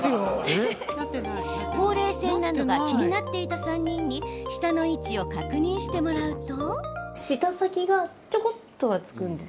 ほうれい線などが気になっていた３人に舌の位置を確認してもらうと。